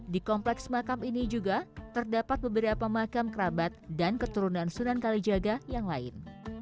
di kompleks makam ini juga terdapat beberapa makam kerabat dan keturunan sunan kalijaga yang lain